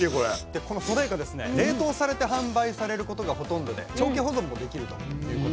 でこのソデイカですね冷凍されて販売されることがほとんどで長期保存もできるということなんですね。